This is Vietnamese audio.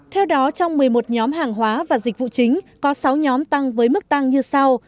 theo đó trong một mươi một nhóm hàng hóa và dịch vụ chính có sáu nhóm tăng với mức tăng như sau